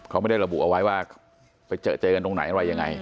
เขาไม่ได้ระบุเอาไว้ว่าไปเจอเจอกันตรงไหนอะไรยังไง